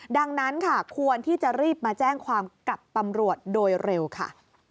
ดังนั้นค่ะควรที่จะรีบมาแจ้งความกับตำรวจโดยเร็วค่ะ